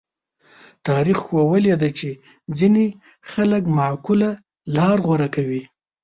تاریخ ښوولې ده چې ځینې خلک معقوله لاره غوره کوي.